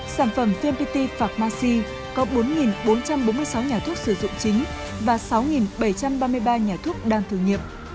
sản phẩm vmpt phạc masi có bốn bốn trăm bốn mươi sáu nhà thuốc sử dụng chính và sáu bảy trăm ba mươi ba nhà thuốc đang thử nghiệm